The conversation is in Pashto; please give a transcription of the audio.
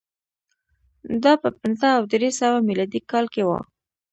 دا په پنځه او درې سوه میلادي کال کې و